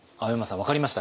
分かりました？